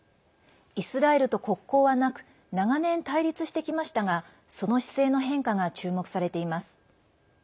イスラエルと国交はなく長年、対立してきましたがその姿勢の変化が注目されています。